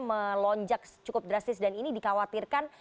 melonjak cukup drastis dan ini dikhawatirkan